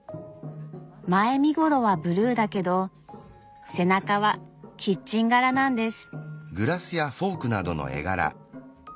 前身頃はブルーだけど背中はキッチン柄なんです。